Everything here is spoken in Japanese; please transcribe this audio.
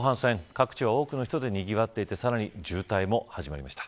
各地は多くの人でにぎわっていてさらに、渋滞も始まりました。